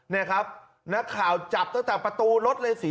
นี่ครับนักข่าวจับตั้งแต่ประตูรถเลยสี